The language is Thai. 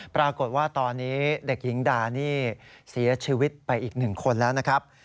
ปรากฏว่าตอนนี้เด็กหญิงดานี่เสียชีวิตไปอีก๑คนแล้วนะครับ